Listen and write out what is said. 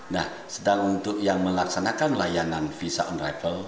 nah sedang untuk yang melaksanakan layanan visa on arrival